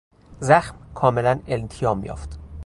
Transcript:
زخم کاملا التیام یافت.